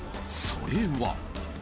それは。